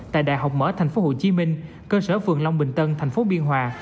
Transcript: tại đại học mở tp hcm cơ sở phường long bình tân tp biên hòa